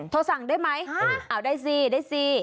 โทรสั่งได้ไหมเอาได้สิได้สิ